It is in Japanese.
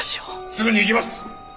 すぐに行きます！